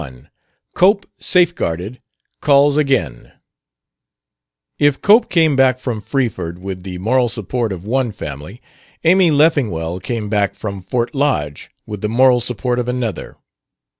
21 COPE, SAFEGUARDED, CALLS AGAIN If Cope came back from Freeford with the moral support of one family, Amy Leffingwell came back from Fort Lodge with the moral support of another.